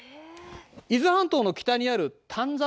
伊豆半島の北にある丹沢